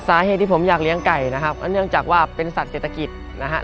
สาเหตุที่ผมอยากเลี้ยงไก่นะครับก็เนื่องจากว่าเป็นสัตว์เศรษฐกิจนะฮะ